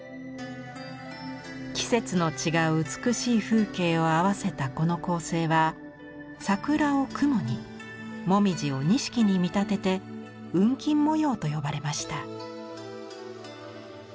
季節の違う美しい風景を合わせたこの構成は桜を雲に紅葉を錦に見立てて雲錦模様と呼ばれました。